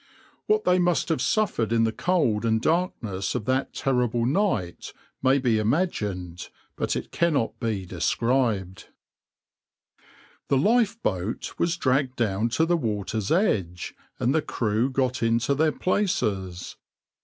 What they must have suffered in the cold and darkness of that terrible night may be imagined, but it cannot be described.\par The lifeboat was dragged down to the water's edge, and the crew got into their places.